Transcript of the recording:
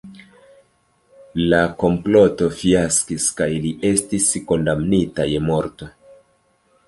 La komploto fiaskis kaj li estis kondamnita je morto.